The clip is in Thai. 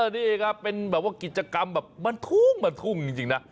นี่เลยครับเป็นกิจกรรมแบบมันทุ่งจริงนะ